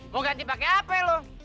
mau ganti pake apa lo